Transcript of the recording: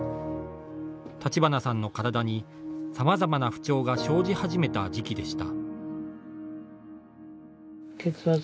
立花さんの体にさまざまな不調が生じ始めた時期でした。